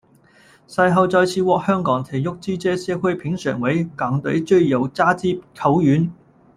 赛后再次获香港体育记者协会评选为港队最有价值球员。